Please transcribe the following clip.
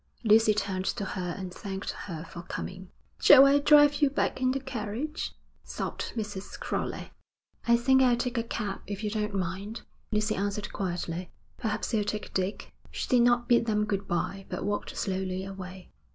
Lucy turned to her and thanked her for coming. 'Shall I drive you back in the carriage?' sobbed Mrs. Crowley. 'I think I'll take a cab, if you don't mind,' Lucy answered quietly. 'Perhaps you'll take Dick.' She did not bid them good bye, but walked slowly away.